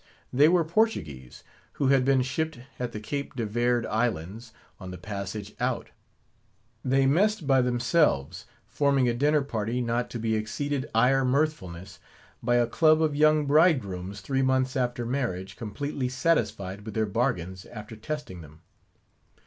They were Portuguese, who had been shipped at the Cape De Verd islands, on the passage out. They messed by themselves; forming a dinner party, not to be exceeded ire mirthfulness, by a club of young bridegrooms, three months after marriage, completely satisfied with their bargains, after testing them.